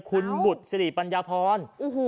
คุณบุตรสิริปัญญาพร